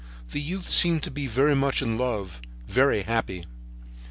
The youth seemed to be very much in love, very happy.